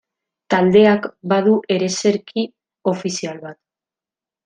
Taldeak badu ereserki ofizial bat.